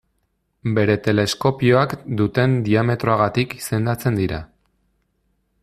Bere teleskopioak duten diametroagatik izendatzen dira.